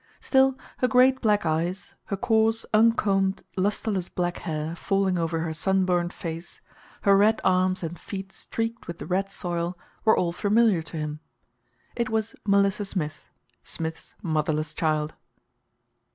Still, her great black eyes, her coarse, uncombed, lusterless black hair falling over her sunburned face, her red arms and feet streaked with the red soil, were all familiar to him. It was Melissa Smith Smith's motherless child.